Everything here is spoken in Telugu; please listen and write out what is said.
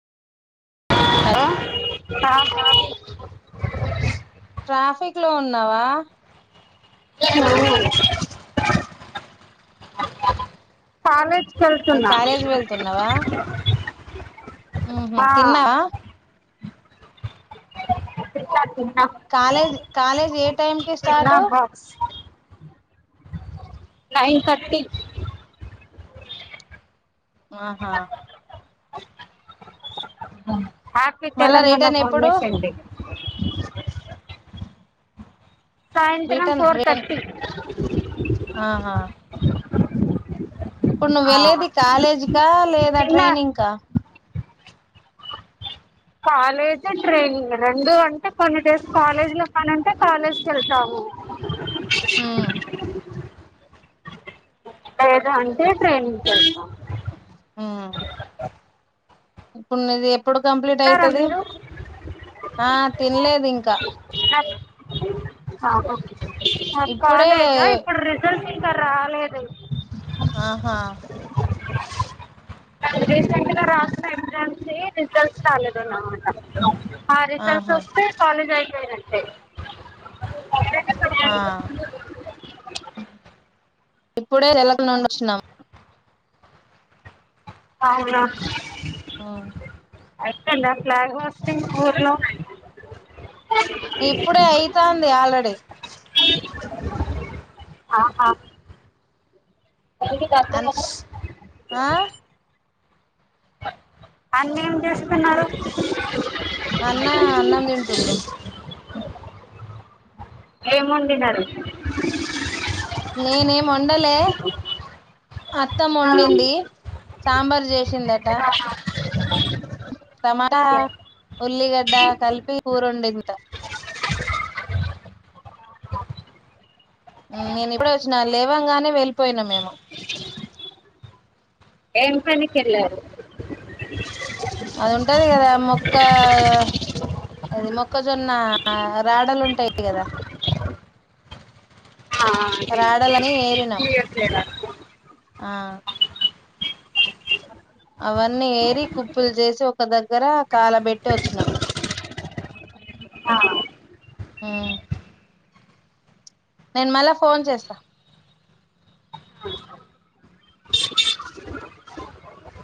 హలో ఆ స్వాతి ట్రాఫిక్ లో ఉన్నావా ఆ కాలేజ్కి వెళ్తున్నా కాలేజీ మ్ హు ఆ తిన్నావ తిన్న తిం కాలేజ్ కాలేజ్ ఏ టైంకిి తిన్నా స్టార్ట్ బాక్స్ నైన్ థర్టీ ఆహా హ్యాపీ మళ్ళా తెలంగాణ రిటర్న్ ఎప్పుడు ఫౌండేషన్ డే సాయంత్రం రిటర్న్ ఫోర్ రిటర్న్ తర్టీ ఆహా ఇప్పుడు నువ్వు ఆ వెళ్లేది కాలేజీకా లేదా తిన్నా ట్రైనింగ్కా కాలేజ్ ట్రైనింగ్ రెండు అంటే కొన్ని డేస్ కాలేజీ లో పనుంటే కాలేజ్ కేళ్తాము మ్ లే దంటే ట్రైనింకెళ్త మ్ ఆ ఇప్పుడు నిది ఎప్ ప్పుడు కంప్లీట్ అయితది మీరు ఆ తినలేదు ఇంకా మ ఇప్పుడే కాలేజా ఇప్పుడు రిజల్ట్ ఇంకా రాలేదు ఆహా రీసెంట్ గా రాసిన ఎగ్జామ్స్ ఈ రిజల్ రాలేదన్న మాట ఆ రిజల్ట్స్ ఆహా ఒస్తే కాలేజై పోయినట్టే ఆ ఇప్పుడే రేల్ల క్ నుండోచ్చినము అవునా ఆ అయిపో ఇందా ఫ్లాగ్ హోస్టింగ్ ఊర్లో ఇప్పుడే అయితంది ఆల్రెడీ ఆహ బైటి అన్ గద్దెలను ఆ అన్నేం చేస్తున్నారు అన్న అన్నం తింటుడు ఏమొండినారు నేనెం వండలే అత్తమొండింది సాంబార్ చేసిందట అ టమాట ఉుల్లిగడ్డ కలిపి కురోండిిందట మ్ నేను ఇప్పుడే వచ్చిన లేవంగానే వెళ్ళిపోయినం మేము ఏం పనికి ఎలావ్ అది ఉంటది కదా మొక్క అది మొక్కజొన్న రాడలు ఉంటాయి కదా ఆ రాడలని ఏరినాం సే ఎలా ఆ అవన్నీ ఏరి కుప్పులు చేసి ఒక దగ్గర కాలబెట్టి వచ్చినాం ఆ ఆ నేను మళ్ళా ఫోన్ చేస్తా